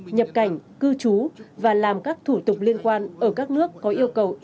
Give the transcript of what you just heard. nhập cảnh cư trú và làm các thủ tục liên quan ở các nước có yêu cầu